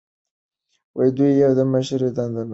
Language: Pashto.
دوی یې د مشرۍ دنده نه لرله.